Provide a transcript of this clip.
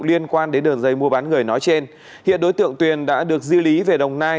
liên quan đến đường dây mua bán người nói trên hiện đối tượng tuyền đã được di lý về đồng nai